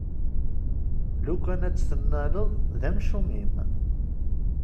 Lukan ad tt-tennaleḍ, d amcum-im!